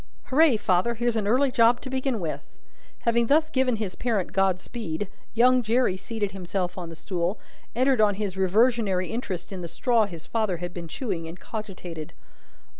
"Hooray, father! Here's an early job to begin with!" Having thus given his parent God speed, young Jerry seated himself on the stool, entered on his reversionary interest in the straw his father had been chewing, and cogitated.